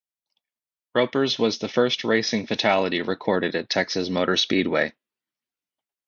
Roper's was the first racing fatality recorded at Texas Motor Speedway.